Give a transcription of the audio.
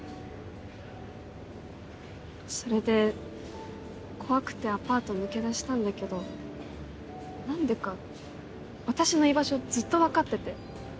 それで怖くてアパート抜け出したんだけど何でか私の居場所ずっと分かってて。